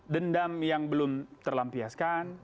dendam yang belum terlampiaskan